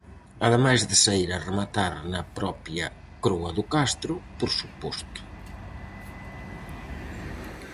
Ademais de saír e rematar na propia Croa do Castro, por suposto.